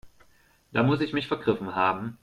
Da muss ich mich vergriffen haben.